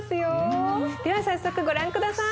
では早速ご覧下さい。